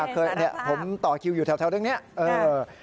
เคยสารภาพผมต่อคิวอยู่แถวตรงนี้